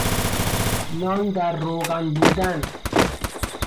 نان در روغن بودن